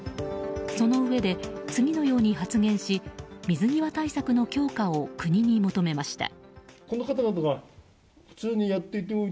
そのうえで次のように発言し水際対策の強化を国に求めました。